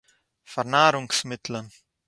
פאַרנאַרונגס-מיטלען